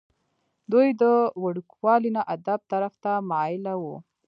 دوي د وړوکوالي نه ادب طرف ته مائله وو ۔